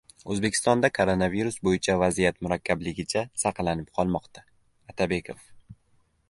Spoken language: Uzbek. O‘zbekistonda koronavirus bo‘yicha vaziyat murakkabligicha saqlanib qolmoqda – Atabekov